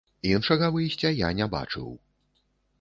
Іншага выйсця я не бачыў.